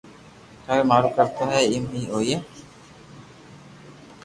ٿارو مارو ڪرو تو ايم اي ھوئي